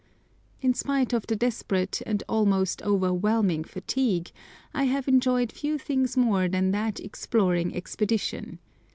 In spite of the desperate and almost overwhelming fatigue, I have enjoyed few things more than that "exploring expedition."